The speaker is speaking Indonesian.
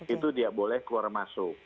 itu dia boleh keluar masuk